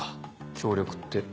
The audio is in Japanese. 協力って？